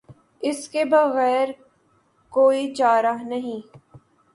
اس کے بغیر کوئی چارہ نہیں۔